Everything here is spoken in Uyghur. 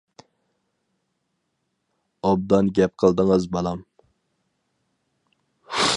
— ئوبدان گەپ قىلدىڭىز بالام.